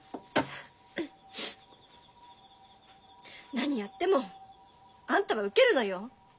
何やってもあんたはウケるのよ。